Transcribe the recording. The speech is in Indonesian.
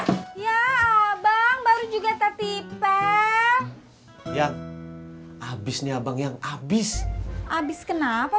alaikum alaikum pak ya abang baru juga tapi pak ya habisnya abang yang abis abis kenapa